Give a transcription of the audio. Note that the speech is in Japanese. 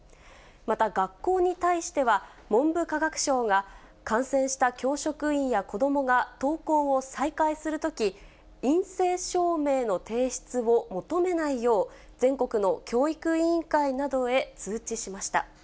また学校に対しては、文部科学省が、感染した教職員や子どもが登校を再開するとき、陰性証明の提出を求めないよう、全国の教育委員会などへ通知しました。